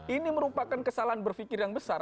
ini merupakan kesalahan berpikir yang besar